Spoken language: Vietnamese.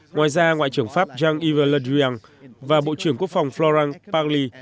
ngoài ra ngoại trưởng pháp jean yves le drian và bộ trưởng quốc phòng florent pagli